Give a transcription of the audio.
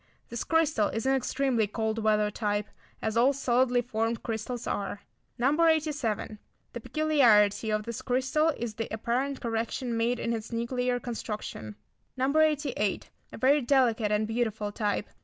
This crystal is an extremely cold weather type, as all solidly formed crystals are. No. 87. The peculiarity of this crystal is the apparent correction made in its nuclear construction. No. 88. A very delicate and beautiful type.